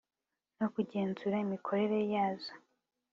no kugenzura imikorere yazo